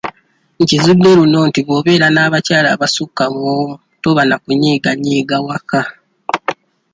Nkizudde luno nti bw'obeera n'abakyala abasukka mu omu toba na kunyiiganyiiga waka.